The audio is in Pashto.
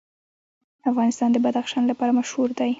افغانستان د بدخشان لپاره مشهور دی.